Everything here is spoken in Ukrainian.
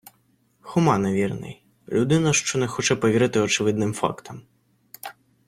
Хома невірний - людина, що не хоче повірити очевидним фактам